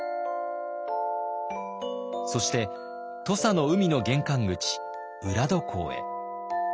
そして土佐の海の玄関口浦戸港へ。